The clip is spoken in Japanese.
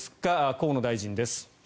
河野大臣です。